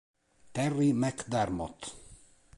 Terry McDermott